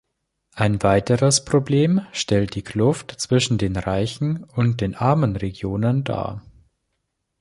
Ein weiteres Problem stellt die Kluft zwischen den reichen und den armen Regionen dar.